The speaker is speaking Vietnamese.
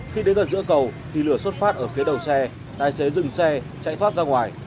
khi đến gần giữa cầu thì lửa xuất phát ở phía đầu xe tài xế dừng xe chạy thoát ra ngoài